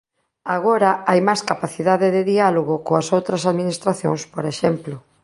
Agora hai máis capacidade de diálogo coas outras administracións, por exemplo.